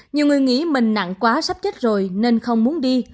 nhiều người nghĩ mình nặng quá sắp chết rồi nên không muốn đi